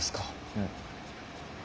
うん。